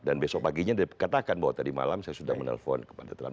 dan besok paginya dia katakan bahwa tadi malam saya sudah menelpon kepada trump